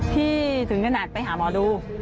ถึงขนาดไปหาหมอดู